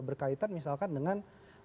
berkaitan misalkan dengan